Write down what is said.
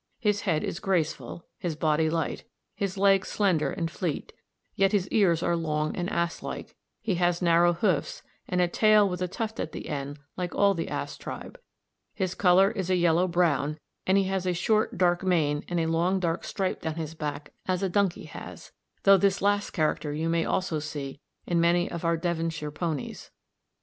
His head is graceful, his body light, his legs slender and fleet, yet his ears are long and ass like; he has narrow hoofs, and a tail with a tuft at the end like all the ass tribe; his colour is a yellow brown, and he has a short dark mane and a long dark stripe down his back as a donkey has, though this last character you may also see in many of our Devonshire ponies.